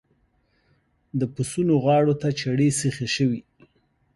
د پسونو غاړو ته چړې سيخې شوې.